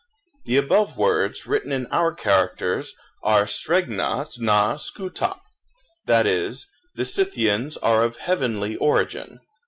The above words, written in our characters, are Sregnah dna skoohtop; that is, The Scythians are of heavenly origin.